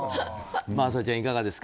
真麻ちゃん、いかがですか。